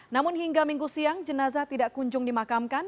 namun hingga minggu siang jenazah tidak kunjung dimakamkan